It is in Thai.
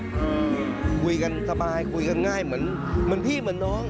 อืมคุยกันสบายคุยกันง่ายเหมือนเหมือนพี่เหมือนน้อง